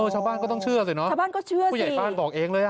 ชาวบ้านก็ต้องเชื่อสิเนอะผู้ใหญ่บ้านบอกเองเลยอ่ะชาวบ้านก็เชื่อสิ